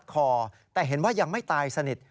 สายไฟแจ็คลำโพงรัดคอแต่เห็นว่ายังไม่ตายสนิท